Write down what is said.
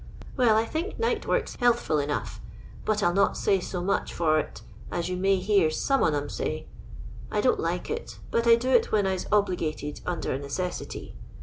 Well, I think nightwork '» healthful enough, but I '11 not say so much for it as you may hear some on 'em say. I don't like it, but I do it when I 's ob ligated under a necessity.